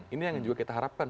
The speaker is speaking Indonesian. ini yang juga kita harapkan